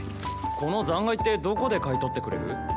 この残骸ってどこで買い取ってくれる？